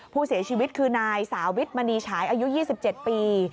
ผู้เสียชีวิตคือนายสาวิทมณีฉายอายุ๒๗ปี